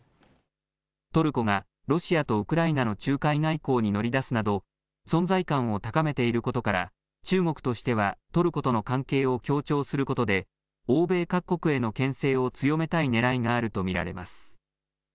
トルコがロシアとウクライナの仲介外交に乗り出すなど存在感を高めていることから中国としてはトルコとの関係を強調することで欧米各国へのけん制を強めたいねらいがあると